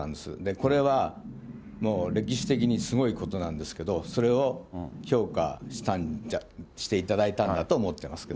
これはもう歴史的にすごいことなんですけど、それを評価していただいたんだと思ってるんですけど。